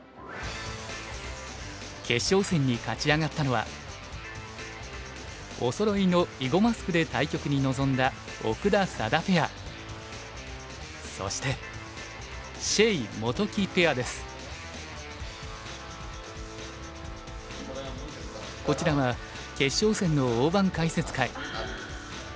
決勝戦に勝ち上がったのはおそろいの囲碁マスクで対局に臨んだそしてこちらは決勝戦の大盤解説会。